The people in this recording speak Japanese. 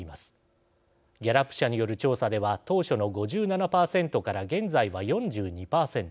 ギャラップ社による調査では当初の５７％から現在は４２％。